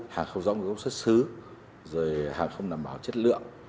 hàng không rõ nguồn gốc xuất xứ rồi hàng không đảm bảo chất lượng